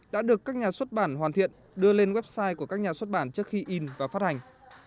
đã được các nhà xuất bản hoàn thiện đưa lên website của các nhà xuất bản trước khi in và phát hành